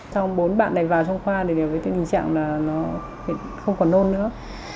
sau bốn bạn này vào trong khoa thì đều với tình trạng là nó không còn nôn nữa